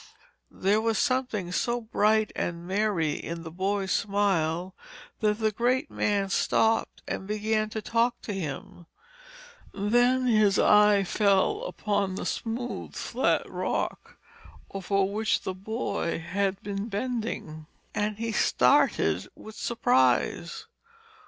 There was something so bright and merry in the boy's smile that the great man stopped and began to talk to him. Then his eye fell upon the smooth flat rock over which the boy had been bending, and he started with surprise.